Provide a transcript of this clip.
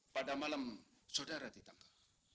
pada malam saudara ditangkap